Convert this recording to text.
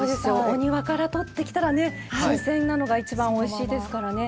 お庭から取ってきたらね新鮮なのが一番おいしいですからね。